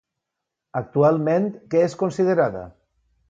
Actualment, què és considerada?